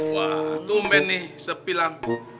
wah tumben nih sepi lam